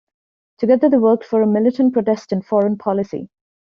Together they worked for a militant Protestant foreign policy.